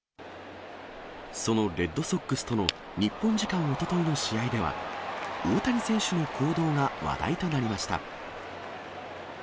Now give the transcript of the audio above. そのレッドソックスとの日本時間おとといの試合では、大谷選手の行動が話題となりました。